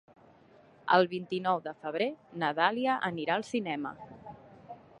El vint-i-nou de febrer na Dàlia anirà al cinema.